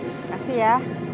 terima kasih ya